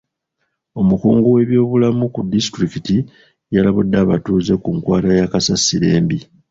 Omukungu w'ebyobulamu ku disitulikiti yalabudde abatuuze ku nkwata ya kasasiro embi.